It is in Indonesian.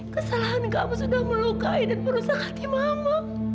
kesalahan kamu sudah melukai dan berusaha hati mama